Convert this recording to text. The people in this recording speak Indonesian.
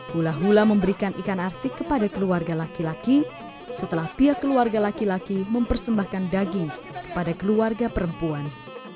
hula hula memberikan ikan arsik kepada keluarga laki laki setelah pihak keluarga laki laki mempersembahkan daging kepada keluarga perempuan